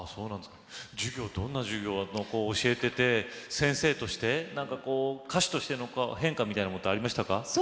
授業はどんな授業で教えていて先生として歌手としての変化みたいなものはありましたか。